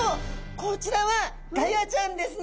こちらはガヤちゃんですね。